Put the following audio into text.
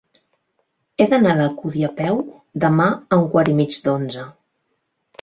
He d'anar a l'Alcúdia a peu demà a un quart i mig d'onze.